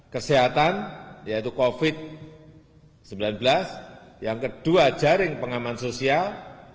kesehatan yaitu covid sembilan belas yang kedua jaring pengaman sosial